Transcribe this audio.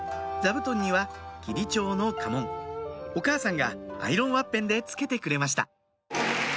座布団には桐蝶の家紋お母さんがアイロンワッペンで付けてくれました